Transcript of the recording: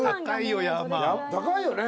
高いよね。